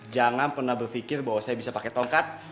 jangan pernah berpikir bahwa saya bisa pakai tongkat